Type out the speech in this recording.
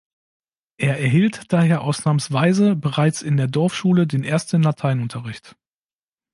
Er erhielt daher ausnahmsweise bereits in der Dorfschule den ersten Lateinunterricht.